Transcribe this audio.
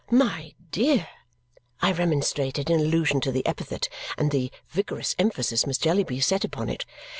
"My dear!" I remonstrated, in allusion to the epithet and the vigorous emphasis Miss Jellyby set upon it.